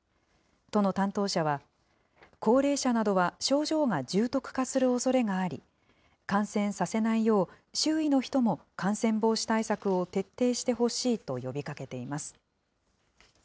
都の担当者は、高齢者などは症状が重篤化するおそれがあり、感染させないよう、周囲の人も感染防止対策を徹底してほしいと呼びかけています。